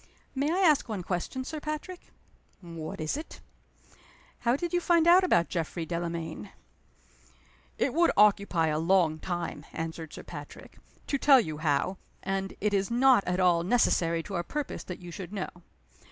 "May I ask one question, Sir Patrick?" "What is it?" "How did you find out about Geoffrey Delamayn?" "It would occupy a long time," answered Sir Patrick, "to tell you how and it is not at all necessary to our purpose that you should know.